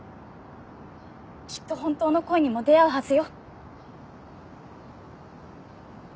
きっと本当の恋にも出合うはずよ。